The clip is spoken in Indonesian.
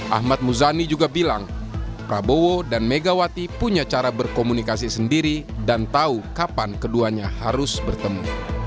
ahmad muzani juga bilang prabowo dan megawati punya cara berkomunikasi sendiri dan tahu kapan keduanya harus bertemu